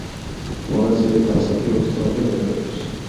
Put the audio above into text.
მონაწილეთა ასაკი ოც წლამდე მერყეობს.